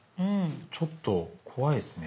ちょっと怖いですね。